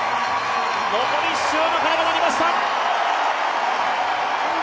残り１周の鐘が鳴りました。